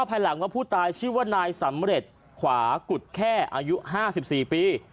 ภายหลังว่าผู้ตายชื่อว่านายสำเร็จขวากุฎแค่อายุ๕๔ปี